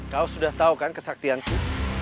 kau sudah tahu kan kesaktianku